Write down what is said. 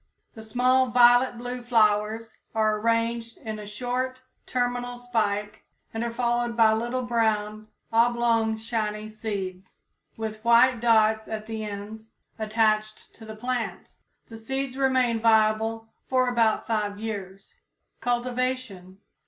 The small violet blue flowers are arranged in a short, terminal spike, and are followed by little brown, oblong, shiny seeds, with white dots at the ends, attached to the plant. The seeds remain viable for about five years. _Cultivation.